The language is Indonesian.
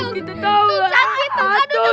tuh sakit tuh